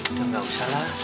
udah gak usah lah